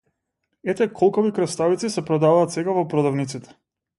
Ете колкави краставици се продаваат сега во продавниците!